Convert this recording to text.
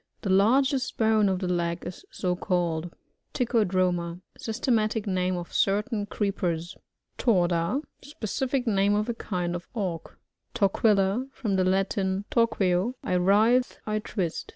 The largest bone of the leg is so called. TiCHODROMA. — Systematic name of certain Creepers. ToRDA. — Specific name of a kind of Auk. ToRdDiLLA. — From the Latin torqueo, 1 writhe. I twist.